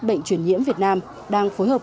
bệnh truyền nhiễm việt nam đang phối hợp